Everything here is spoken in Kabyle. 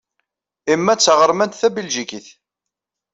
Emma d taɣermant tabeljikit.